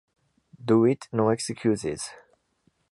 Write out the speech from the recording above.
Do it, no excuses!